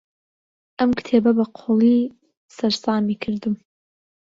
ئەم کتێبە بەقووڵی سەرسامی کردم.